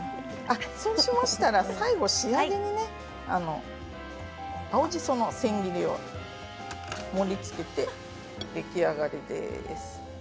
最後、仕上げに青じその千切りを盛りつけて出来上がりです。